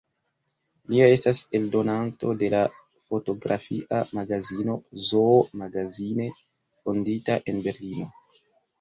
Lia estas eldonanto de la fotografia magazino „Zoo Magazine“, fondita en Berlino.